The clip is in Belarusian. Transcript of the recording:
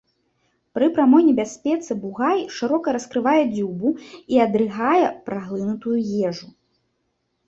Пры прамой небяспецы бугай шырока раскрывае дзюбу і адрыгае праглынутую ежу.